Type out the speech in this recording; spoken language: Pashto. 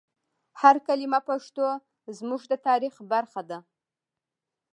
هر کلمه پښتو زموږ د تاریخ برخه ده.